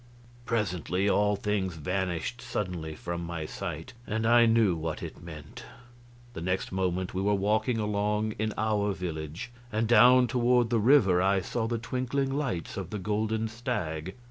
Presently all things vanished suddenly from my sight, and I knew what it meant. The next moment we were walking along in our village; and down toward the river I saw the twinkling lights of the Golden Stag.